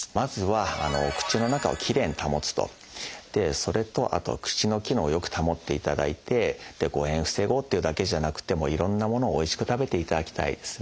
それと口の機能をよく保っていただいて誤えんを防ごうっていうだけじゃなくていろんなものをおいしく食べていただきたいですね。